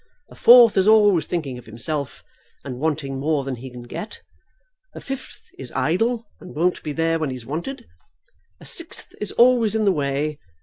A fourth is always thinking of himself, and wanting more than he can get. A fifth is idle, and won't be there when he's wanted. A sixth is always in the way.